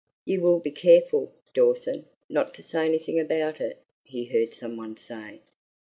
"You will be careful, Dawson, not to say anything about it," he heard some one say.